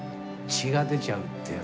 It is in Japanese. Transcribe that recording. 血が出ちゃうの？